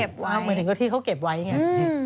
เหมือนกับที่เขาเก็บไว้ไง